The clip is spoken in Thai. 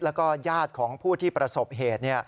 แล้วก็ญาติของผู้ที่ประสบเหตุ